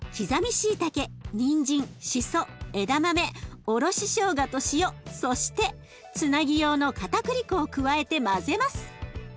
にんじんしそ枝豆おろししょうがと塩そしてつなぎ用のかたくり粉を加えて混ぜます。